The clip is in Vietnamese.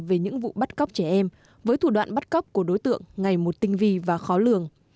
về những vụ bắt cóc trẻ em với thủ đoạn bắt cóc của đối tượng ngày một tinh vi và khó lường